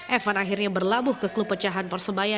evan akhirnya berlabuh ke klub pecahan persebaya